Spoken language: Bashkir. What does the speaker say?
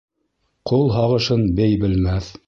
Ҡол һағышын бей белмәҫ.